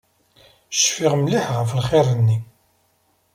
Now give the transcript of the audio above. Cfiɣ mliḥ ɣef lxir-nni.